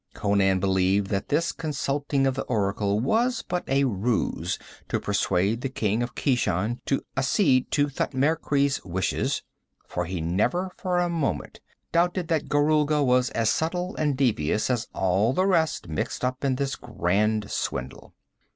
Conan believed that this consulting of the oracle was but a ruse to persuade the king of Keshan to accede to Thutmekri's wishes for he never for a moment doubted that Gorulga was as subtle and devious as all the rest mixed up in this grand swindle.